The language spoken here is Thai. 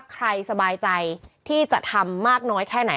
สบายใจที่จะทำมากน้อยแค่ไหน